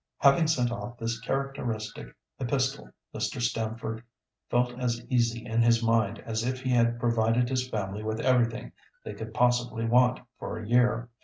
Having sent off this characteristic epistle, Mr. Stamford felt as easy in his mind as if he had provided his family with everything they could possibly want for a year.